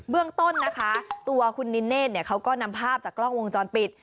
เรื่องต้นนะคะตัวคุณนินเนธเขาก็นำภาพจากกล้องวงจรปิด